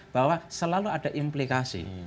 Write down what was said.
bahwa selalu ada implikasi